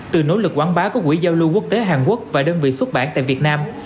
từ nỗ lực quảng bá của quỹ giao lưu quốc tế hàn quốc và đơn vị xuất bản tại việt nam